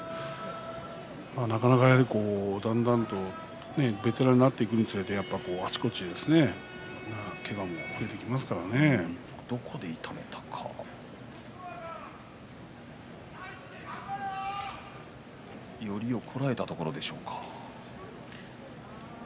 なかなか、だんだんとベテランになっていくにつれてあちこちどこで痛めたか寄りをこらえたところでしょうか。